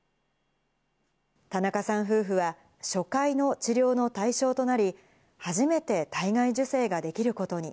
田中さん夫婦は、初回の治療の対象となり、初めて体外受精ができることに。